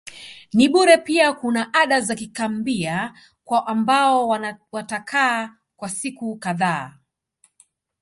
ni bure pia kuna ada za kikambia kwa ambao watakaa kwa siku kadhaa